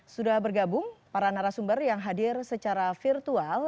sudah bergabung para narasumber yang hadir secara virtual